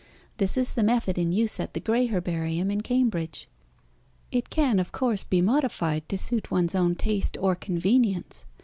This is the method in use at the Gray Herbarium in Cambridge. It can, of course, be modified to suit one's own taste or convenience.